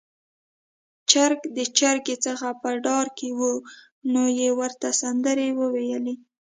چرګ د چرګې څخه په ډار کې و، نو يې ورته سندرې وويلې